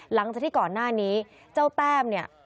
หลังจากที่ก่อนหน้านี้เจ้าแต้มเนี่ย